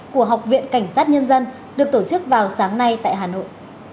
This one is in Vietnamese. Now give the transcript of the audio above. của học viện cảnh sát nhân dân được tổ chức vào sáng nay tại hà nội